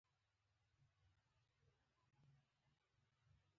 افغانستان به ځلیږي؟